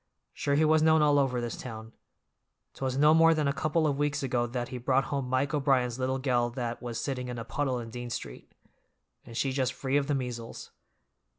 Sure he was known all over this town. 'Twas no more than a couple of weeks ago that he brought home Mike O'Brien's little gell that was sitting in a puddle in Dean Street, and she just free of the measles.